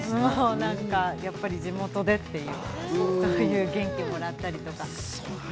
やっぱり地元でっていう、そういう元気をもらったりとか。